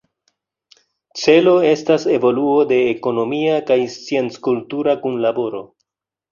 Celo estas evoluo de ekonomia kaj scienc-kultura kunlaboro.